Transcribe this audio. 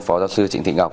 phó giáo sư trịnh thị ngọc